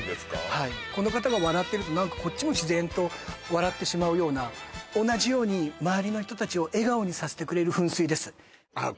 はいこの方が笑ってると何かこっちも自然と笑ってしまうような同じようにまわりの人達を笑顔にさせてくれる噴水ですあっ